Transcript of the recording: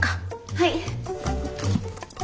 はい。